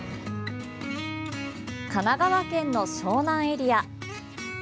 神奈川県の湘南エリア。